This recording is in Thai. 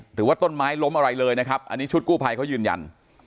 หรือว่าต้นไม้ล้มอะไรเลยนะครับอันนี้ชุดกู้ภัยเขายืนยัน